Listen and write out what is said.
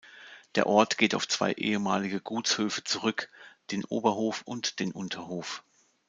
Der Ort geht auf zwei ehemalige Gutshöfe zurück, den Oberhof und den Unterhof.